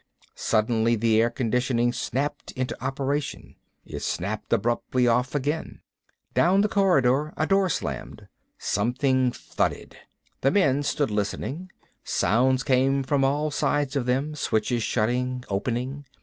Suddenly the air conditioning snapped into operation. It snapped abruptly off again. Down the corridor a door slammed. Something thudded. The men stood listening. Sounds came from all sides of them, switches shutting, opening.